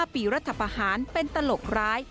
ปีรัฐประหารเป็นตลกร้าย